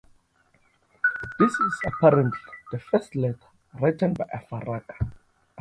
This is apparently the first letter written by Afaka.